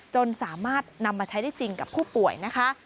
จนสามารถนำมาใช้ได้จริงกับผู้ป่วยนะคะ